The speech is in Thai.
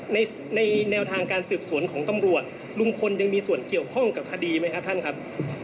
ในในแนวทางการสืบสวนของตำรวจลุงพลยังมีส่วนเกี่ยวข้องกับคดีไหมครับท่านครับ